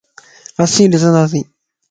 اسين ڏسنداسين